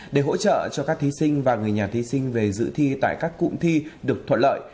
để hỗ trợ cho các thí sinh và người nhà thí sinh về dự thi tại các cụm thi được thuận lợi